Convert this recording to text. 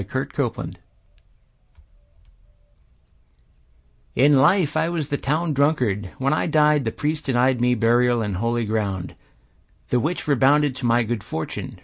Chase Henry In life I was the town drunkard; When I died the priest denied me burial In holy ground. The which redounded to my good fortune.